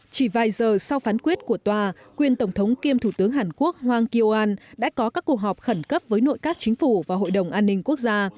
chỉ vài giờ sau phán quyết của tòa quyền tổng thống kiêm thủ tướng hàn quốc hoang keo an đã có các cuộc họp khẩn cấp với nội các chính phủ và hội đồng an ninh quốc gia